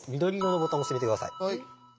はい。